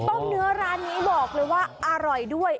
เนื้อร้านนี้บอกเลยว่าอร่อยด้วย